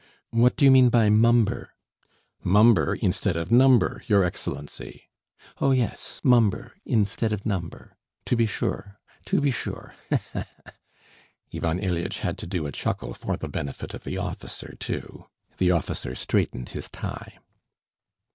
"What do you mean by mumber?" "Mumber instead of number, your Excellency." "Oh, yes, mumber ... instead of number.... To be sure, to be sure.... He he he!" Ivan Ilyitch had to do a chuckle for the benefit of the officer too. The officer straightened his tie.